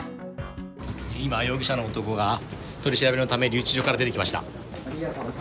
今、容疑者の男が取り調べのため留置場から出てきました。